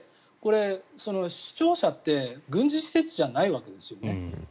市庁舎って軍事施設じゃないわけですよね。